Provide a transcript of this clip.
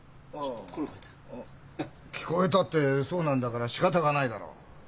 聞こえたってそうなんだからしかたがないだろう。